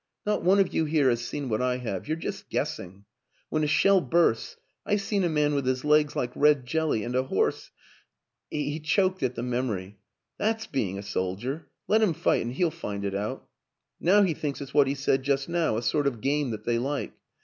Not one of you here has seen what I have you're just guessing. When a shell bursts. ... I've seen a man with his legs like red jelly and a horse ..." he choked at the memory. " That's be ing a soldier let him fight and he'll find it out. Now he thinks it's what he said just now a sort of game that they like.